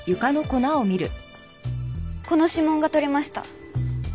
この指紋が採れました。